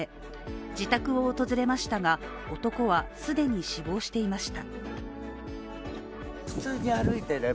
自宅を訪れましたが男は既に死亡していました。